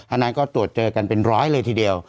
อันนั้นก็ตรวจเจอกันเป็นร้อยเลยทีเดียว